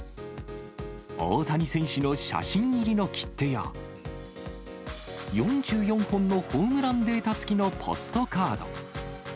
大谷選手の写真入りの切手や、４４本のホームランデータつきのポストカード。